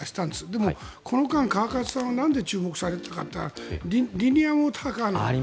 でもこの間、川勝さんはなんで注目されたかといったらリニアモーターカー。